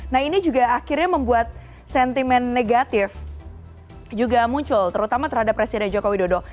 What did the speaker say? nah ini juga akhirnya membuat sentimen negatif juga muncul terutama terhadap presiden joko widodo